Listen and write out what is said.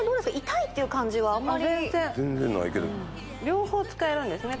痛いっていう感じは全然両方使えるんですね